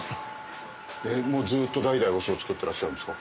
ずっと代々お酢を造ってらっしゃるんですか？